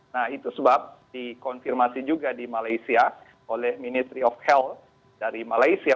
nah itu sebab dikonfirmasi juga di malaysia oleh ministry of health dari malaysia